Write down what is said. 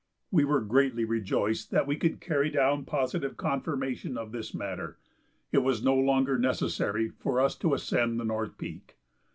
We were greatly rejoiced that we could carry down positive confirmation of this matter. It was no longer necessary for us to ascend the North Peak.